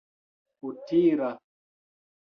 utila